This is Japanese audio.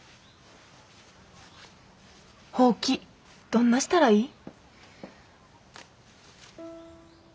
ほうきどんなしたらいい？